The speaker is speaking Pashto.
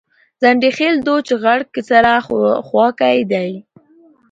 ځنډيخيل دوچ غړک سره خواکی دي